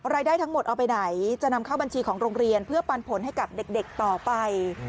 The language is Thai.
รายได้ทั้งหมดเอาไปไหนจะนำเข้าบัญชีของโรงเรียนเพื่อปันผลให้กับเด็กต่อไป